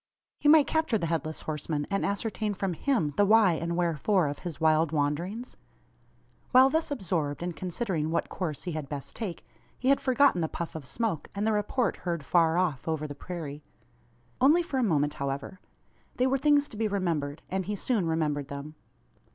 He might capture the Headless Horseman, and ascertain from him the why and wherefore of his wild wanderings? While thus absorbed, in considering what course he had best take, he had forgotten the puff of smoke, and the report heard far off over the prairie. Only for a moment, however. They were things to be remembered; and he soon remembered them.